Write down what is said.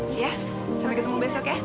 iya sampai ketemu besok ya